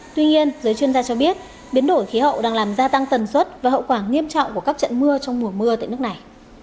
tuy nhiên giới chuyên gia cho biết biến đổi khí hậu đang làm gia tăng tần suất và hậu quả nghiêm trọng của các trận mưa trong mùa mưa tại nước này